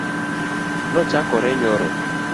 Nochakore nyoro.